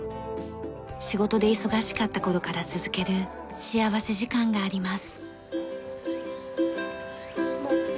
仕事で忙しかった頃から続ける幸福時間があります。